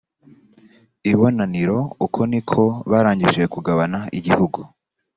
ibonaniro uko ni ko barangije kugabana igihugu